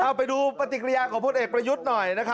เอาไปดูปฏิกิริยาของพลเอกประยุทธ์หน่อยนะครับ